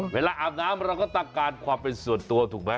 อาบน้ำเราก็ตักการความเป็นส่วนตัวถูกไหม